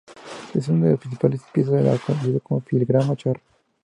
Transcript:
Es una de las principales piezas de lo conocido como "filigrana Charra".